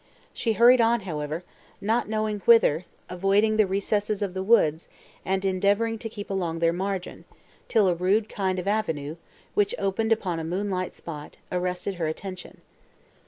She hurried on, however, not knowing whither, avoiding the recesses of the woods, and endeavouring to keep along their margin, till a rude kind of avenue, which opened upon a moonlight spot, arrested her attention.